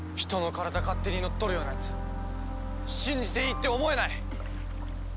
人の体勝手に乗っ取るようなやつ信じていいって思えない。